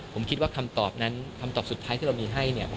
ผมคิดว่าคำตอบนั้นคำตอบสุดท้ายที่เรามีให้เนี่ย